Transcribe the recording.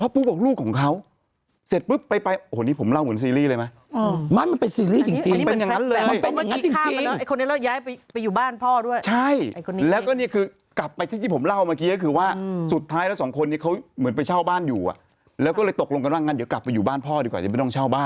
พอพุบบอกลูกของเขา